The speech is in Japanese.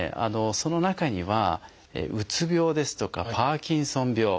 その中にはうつ病ですとかパーキンソン病